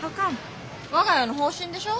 我が家の方針でしょ。